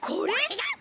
ちがう！